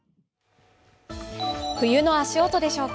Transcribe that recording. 冬の足音でしょうか。